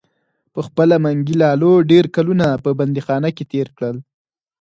پخپله منګي لالو ډیر کلونه په بندیخانه کې تیر کړل.